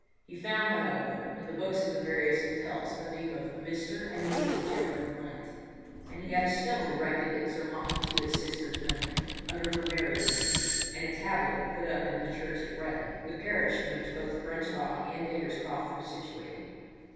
He found, however, in the books of the various hotels the name of "Mr. and Mrs. Geoffrey Brent". And he had a stone erected at Zermatt to his sister's memory, under her married name, and a tablet put up in the church at Bretten, the parish in which both Brent's Rock and Dander's Croft were situated.